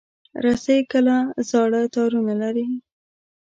رسۍ کله زاړه تارونه لري.